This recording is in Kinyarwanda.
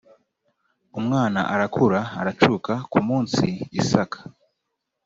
umwana arakura aracuka ku munsi isaka